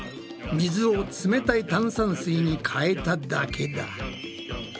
水をつめたい炭酸水にかえただけだ。